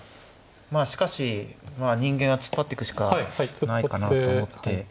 まあしかし人間は突っ張ってくしかないかなと思って。